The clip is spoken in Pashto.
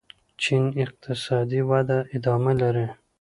چین اقتصادي وده ادامه لري.